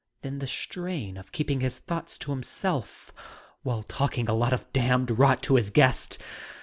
Then the strain of keeping his thoughts to himself while talking a lot of damned rot to his guests